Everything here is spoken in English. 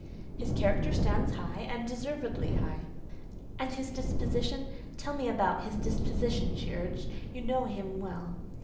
"His character stands high, and deservedly high." "And his disposition? Tell me about his disposition," she urged; "you know him well."